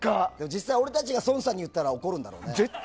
実際、俺たちが孫さんに言ったら怒るんだろうね。